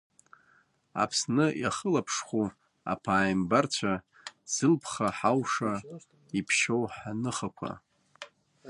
Аԥсны иахылаԥшхәу аԥааимбарцәа, зылԥха ҳауша иԥшьоу ҳныхақәа!